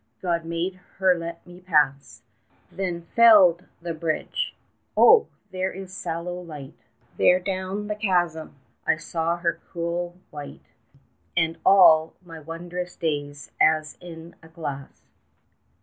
God made her let me pass, Then felled the bridge!... Oh, there in sallow light There down the chasm, I saw her cruel, white, And all my wondrous days as in a glass.